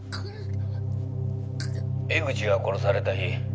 「江口が殺された日」